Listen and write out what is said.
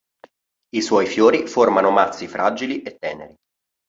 I suoi fiori formano mazzi fragili e teneri.